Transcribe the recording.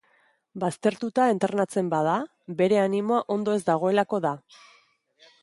Baztertuta entrenatzen bada, bere animoa ondo ez dagoelako da.